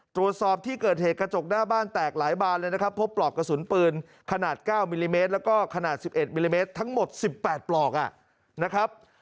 ตรวจสอบที่เกิดเหตุกระจกหน้าบ้านแตกหลายบานเลยนะครับพบปลอกกระสุนปืนขนาด๙มิลลิเมตรแล้วก็ขนาด๑๑มิลลิเมตรทั้งหมด๑๘ปลอกนะครับ